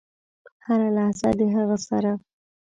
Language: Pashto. هره لحظه د هغه سره .